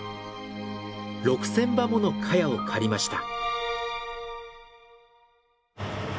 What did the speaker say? ６０００把ものカヤを刈りました。